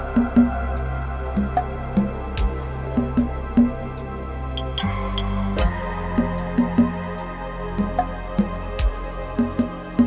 sementara saya buatin minum dulu